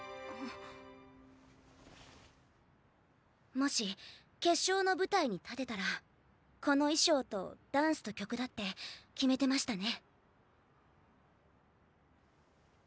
もし決勝の舞台に立てたらこの衣装とダンスと曲だって決めてましたね。